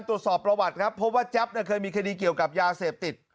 ตัวประวัตรนะครับเพราะว่าแจ๊ปเนี้ยเขามีคฏดีเกี่ยวกับยาเสพติด